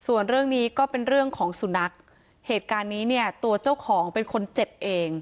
ส่วนเรื่องนี้ก็เป็นเรื่องของสุนัขเหตุการณ์นี้เนี่ยตัวเจ้าของเป็นคนเจ็บเอง